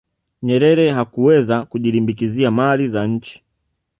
nyerere hakuweza kujilimbikizia mali za nchi